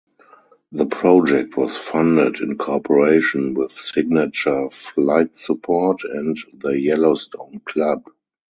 The project was funded in cooperation with Signature Flight Support and the Yellowstone Club.